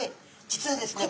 実はですね